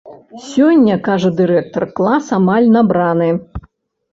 Сёння, кажа дырэктар, клас амаль набраны.